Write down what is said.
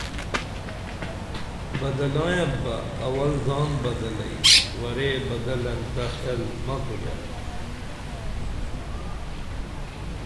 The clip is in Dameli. بدلائیں ینپ بہ اول زان بدلئی ورے بدلن تہ خیل مہ کُریہ